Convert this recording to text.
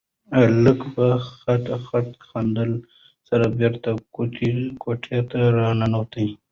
هلک په خټ خټ خندا سره بېرته کوټې ته راننوت.